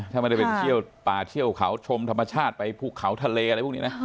ถ้าไม่ได้เป็นเที่ยวป่าเที่ยวเขาชมธรรมชาติไปภูเขาทะเลอะไรพวกนี้นะ